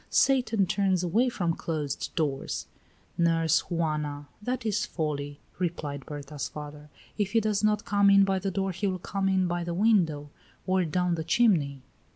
Satan turns away from closed doors." "Nurse Juana, that is folly," replied Berta's father; "if he does not come in by the door he will come in by the window, or down the chimney."